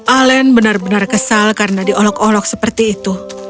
alen benar benar kesal karena diolok olok seperti itu